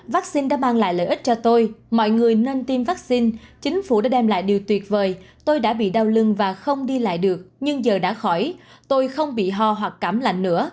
vắc xin đã mang lại lợi ích cho tôi mọi người nên tiêm vaccine chính phủ đã đem lại điều tuyệt vời tôi đã bị đau lưng và không đi lại được nhưng giờ đã khỏi tôi không bị ho hoặc cảm lạnh nữa ông mandan nói